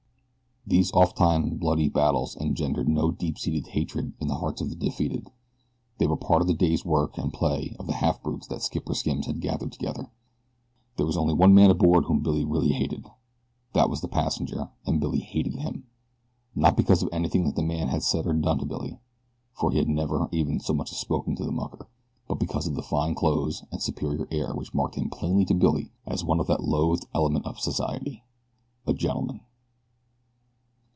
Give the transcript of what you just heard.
These ofttimes bloody battles engendered no deep seated hatred in the hearts of the defeated. They were part of the day's work and play of the half brutes that Skipper Simms had gathered together. There was only one man aboard whom Billy really hated. That was the passenger, and Billy hated him, not because of anything that the man had said or done to Billy, for he had never even so much as spoken to the mucker, but because of the fine clothes and superior air which marked him plainly to Billy as one of that loathed element of society a gentleman.